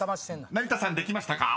［成田さんできましたか？］